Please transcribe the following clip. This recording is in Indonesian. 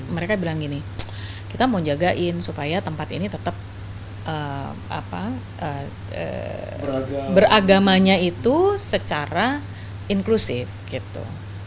mereka bilang gini kita mau jagain supaya tempat ini tetap beragamanya itu secara inklusif gitu